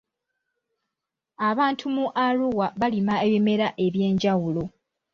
Abantu mu Arua balima ebimera ebyenjawulo.